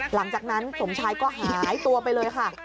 หลังจากนั้นสมชายก็หายตัวไปเลยค่ะ